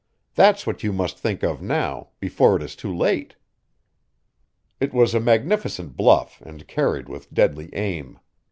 That's what you must think of now before it is too late." It was a magnificent bluff and carried with deadly aim.